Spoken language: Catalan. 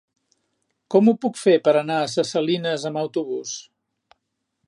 Com ho puc fer per anar a Ses Salines amb autobús?